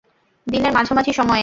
দিনের মাঝামাঝি সময়ে।